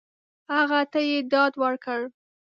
هغه ته یې ډاډ ورکړ !